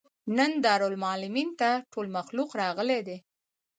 نن دارالمعلمین ته ټول مخلوق راغلى دی.